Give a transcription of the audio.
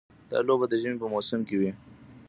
دا لوبه د ژمي په موسم کې وي.